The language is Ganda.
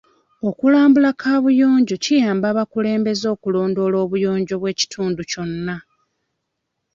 Okulambula kaabuyonjo kiyamba abakulembeze okulondoola obuyonjo bw'ekitundu kyonna.